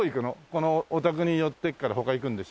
このお宅に寄ってから他行くんでしょ？